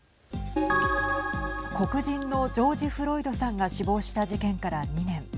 黒人のジョージ・フロイドさんが死亡した事件から２年。